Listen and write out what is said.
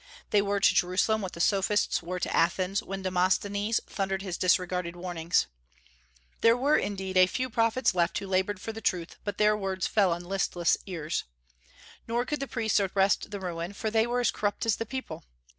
They were to Jerusalem what the Sophists were to Athens when Demosthenes thundered his disregarded warnings. There were, indeed, a few prophets left who labored for the truth; but their words fell on listless ears. Nor could the priests arrest the ruin, for they were as corrupt as the people.